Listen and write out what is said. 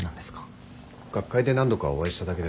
学会で何度かお会いしただけですが。